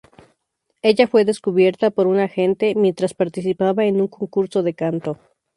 Ella fue descubierta por un agente, mientras participaba en un concurso de canto.